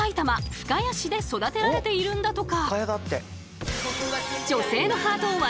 深谷市で育てられているんだとか。